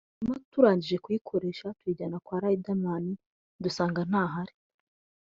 hanyuma turangije kuyikoresha tuyijyana kwa Riderman dusanga ntahari